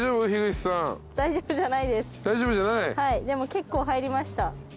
でも結構入りました。